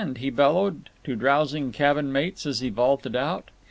he bellowed to drowsing cabin mates as he vaulted out.